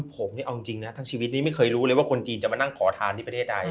ผมนี่เอาจริงนะทั้งชีวิตนี้ไม่เคยรู้เลยว่าคนจีนจะมานั่งขอทานที่ประเทศใด